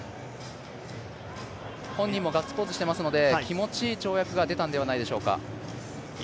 本人もガッツポーズしてますので気持ちいい跳躍が出たんじゃないでしょうか。